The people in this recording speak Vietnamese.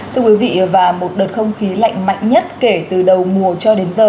thưa quý vị và một đợt không khí lạnh mạnh nhất kể từ đầu mùa cho đến giờ